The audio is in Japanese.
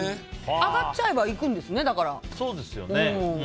上がっちゃえば行くんですね。